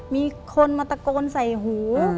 มีคนมาตะโกนใส่หู